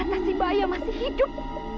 ternyata sih bahaya masih hidup